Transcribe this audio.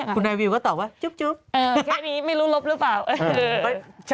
ไปดูเรื่อนหอ